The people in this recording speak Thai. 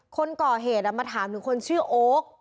คนก่อเหตุมาถามถึงคนชื่อโอ๊ค